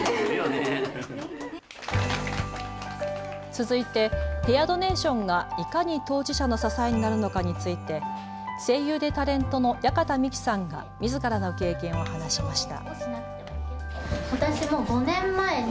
続いてヘアドネーションがいかに当事者の支えになるのかについて声優でタレントの矢方美紀さんがみずからの経験を話しました。